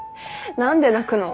何で泣くの？